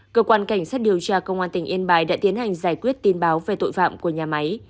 cơ quan cảnh sát điều tra công an tỉnh yên bài đã tiến hành giải quyết tin báo về tội phạm của nhà máy